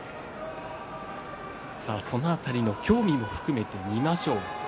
その辺りの興味も含めて見ましょう。